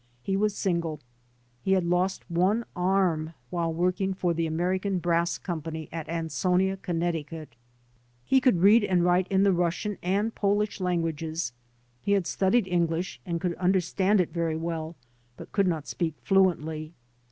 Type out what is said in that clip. He was single. He had lost one arm while working for the American Brass Company at Ansonia, Conn. He could read and write in the Russian and Polish languages. He had studied English and could understand it very well but could not speak fluently.